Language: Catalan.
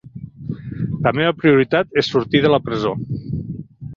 La meva prioritat és sortir de la presó.